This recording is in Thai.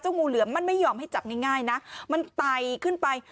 งูเหลือมมันไม่ยอมให้จับง่ายนะมันไตขึ้นไป